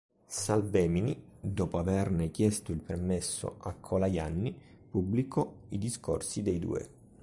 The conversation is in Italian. Salvemini, dopo averne chiesto il permesso a Colajanni, pubblicò i discorsi dei due.